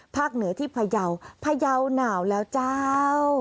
ภาคเหนือที่พะเยาพะเยาหนาวแล้วเจ้า